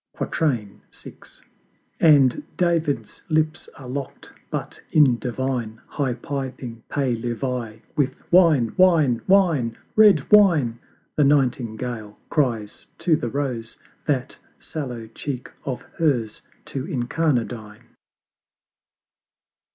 VI. And David's lips are lockt; but in divine High piping Pehlevi, with "Wine! Wine! Wine! "Red Wine!" the Nightingale cries to the Rose That sallow cheek of hers to' incarnadine.